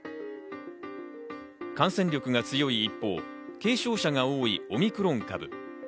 感染力が強い一方、軽症者が多いオミクロン株。